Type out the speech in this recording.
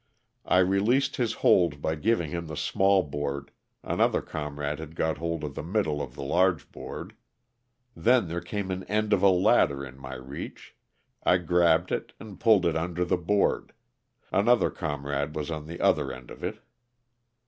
I released his hold by giving him the small board, another comrade had got hold of the middle of the large board ; then there came an end of a ladder in my reach, I grabbed it and pulled it under the board, another comrade was on the other end of it.